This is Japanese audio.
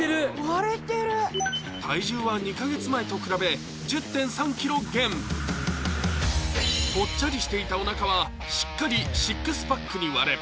割れてる体重は２か月前と比べ１０．３ｋｇ減ぽっちゃりしていたおなかはしっかり６パックに割れ